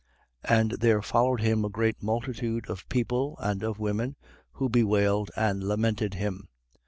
23:27. And there followed him a great multitude of people and of women, who bewailed and lamented him.